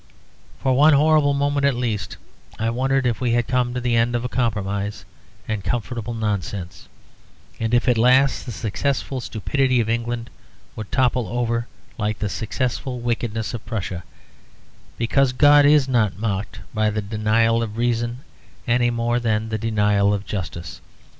For one horrible moment at least I wondered if we had come to the end of compromise and comfortable nonsense, and if at last the successful stupidity of England would topple over like the successful wickedness of Prussia; because God is not mocked by the denial of reason any more than the denial of justice.